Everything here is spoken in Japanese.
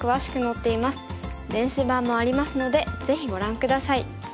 電子版もありますのでぜひご覧下さい。